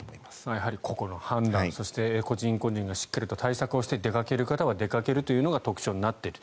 やはり個々の判断そして個人個人がしっかり対策して出かける方は出かけるという特徴になっている。